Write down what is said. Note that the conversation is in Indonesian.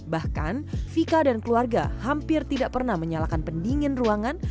bahkan vika dan keluarga hampir tidak pernah menyalakan pendingin ruangan